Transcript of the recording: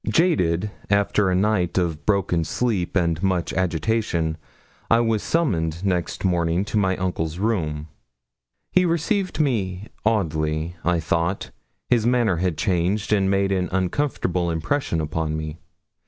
Jaded after a night of broken sleep and much agitation, I was summoned next morning to my uncle's room. He received me oddly, I thought. His manner had changed, and made an uncomfortable impression upon me.